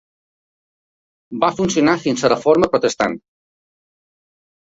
Va funcionar fins a la Reforma Protestant.